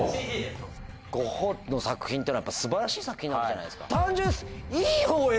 ゴッホの作品ってのはやっぱ素晴らしい作品なわけじゃないですか。